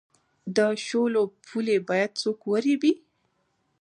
د شولو پولې باید څوک وریبي؟